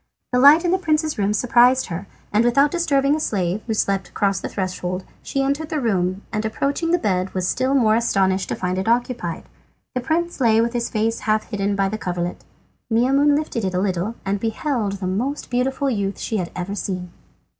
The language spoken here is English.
The light in the prince's room surprised her, and without disturbing the slave, who slept across the threshold, she entered the room, and approaching the bed was still more astonished to find it occupied. The prince lay with his face half hidden by the coverlet. Maimoune lifted it a little and beheld the most beautiful youth she had ever seen.